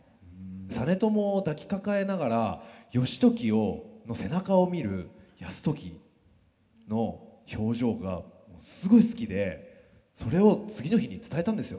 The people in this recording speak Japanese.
実朝を抱きかかえながら義時の背中を見る泰時の表情がすごい好きでそれを次の日に伝えたんですよ